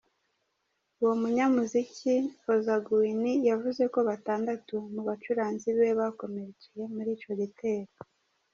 Uwo munyamuziki, Ozaguin, yavuze ko batandatu mu bacuraranzi biwe bakomerekeye muri ico gitero.